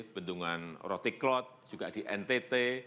bendungan roti klot juga di ntt